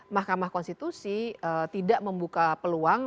mahkamah konstitusi tidak membuka peluang